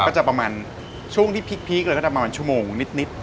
ประมาณช่วงที่พีคเลยก็จะประมาณชั่วโมงนิด